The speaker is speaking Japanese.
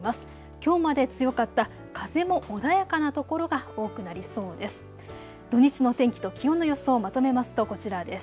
きょうまで強かった風も穏やかな所が多くなりそうです。